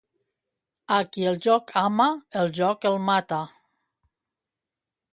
A qui el joc ama, el joc el mata.